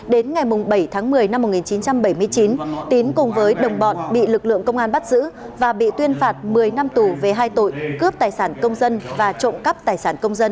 đến ngày bảy tháng một mươi năm một nghìn chín trăm bảy mươi chín tín cùng với đồng bọn bị lực lượng công an bắt giữ và bị tuyên phạt một mươi năm tù về hai tội cướp tài sản công dân và trộm cắp tài sản công dân